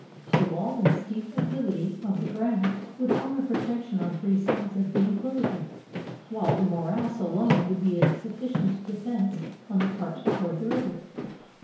The wall and the steep acclivity of the ground would form a protection on three sides of the inclosure, while the morass alone would be a sufficient defense on the part toward the river.